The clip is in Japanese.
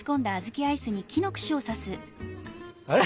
あれ？